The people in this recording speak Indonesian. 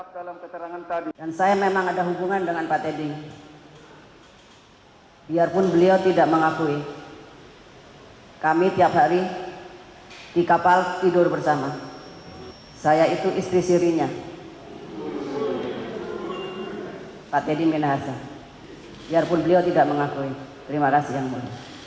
dan saya memang ada hubungan dengan pak teddy biarpun beliau tidak mengakui kami tiap hari di kapal tidur bersama saya itu istri istrinya pak teddy minahasa biarpun beliau tidak mengakui terima kasih yang baik